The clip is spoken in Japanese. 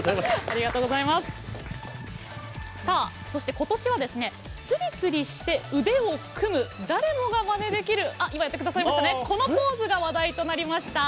今年はスリスリして腕を組む誰もが、まねができるこのポーズが話題となりました。